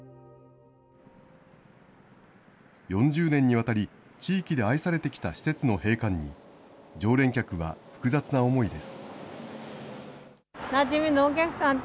４０年にわたり地域で愛されてきた施設の閉館に、常連客は複雑な思いです。